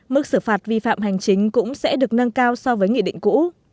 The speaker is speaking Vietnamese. mức xử phạt vi phạm hành chính cũng sẽ được nâng cao so với nghị định cũ